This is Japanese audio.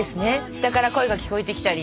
下から声が聞こえてきたり。